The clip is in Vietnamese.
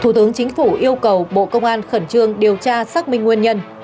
thủ tướng chính phủ yêu cầu bộ công an khẩn trương điều tra xác minh nguyên nhân